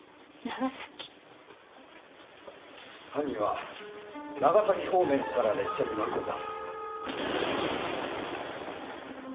犯人は長崎方面から列車に乗り込んだ！